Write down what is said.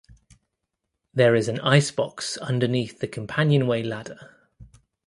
There is an ice box underneath the companionway ladder.